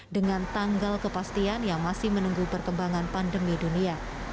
dengan tanggal kepastian yang masih menunggu perkembangan pandemi dunia